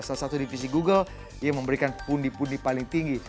salah satu divisi google yang memberikan pundi pundi paling tinggi